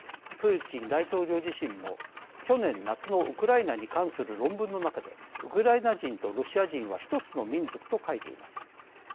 プーチン大統領自身も去年夏のウクライナに関する論文の中でウクライナ人とロシア人は１つの民族と書いています。